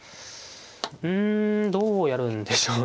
うんどうやるんでしょうね。